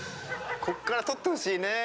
ここから撮ってほしいね。